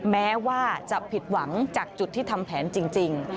แม้ว่าจะผิดหวังจากจุดที่ทำแผนจริง